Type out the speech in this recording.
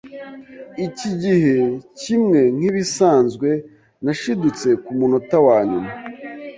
Iki gihe, kimwe nkibisanzwe, nashidutse kumunota wanyuma.